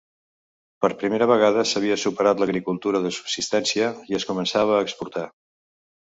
Per primera vegada s'havia superat l'agricultura de subsistència i es començava a exportar.